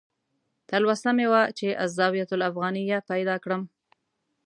تلوسه مې وه چې "الزاویة الافغانیه" پیدا کړم.